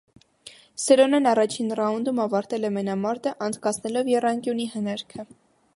Սերոնեն առաջին ռաունդում ավարտել է մենամարտը՝ անցկացնելով եռանկյունի հնարքը։